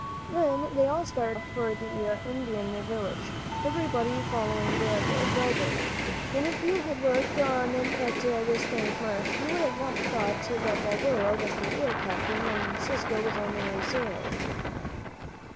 Then they all started off for the Indian village, everybody following bold Balboa, and if you had looked on at this strange march, you would have thought that Balboa was the real captain and Encisco only a sailor.